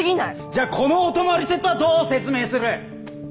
じゃあこのお泊まりセットはどう説明する！